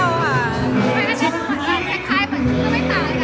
ไม่อันนี้ก็คล้ายแบบนี้ก็ไม่ต่างกัน